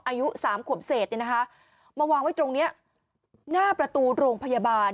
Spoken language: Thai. อายุ๓ขวบเศษมาวางไว้ตรงนี้หน้าประตูโรงพยาบาล